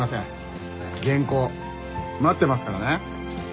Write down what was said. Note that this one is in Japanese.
原稿待ってますからね！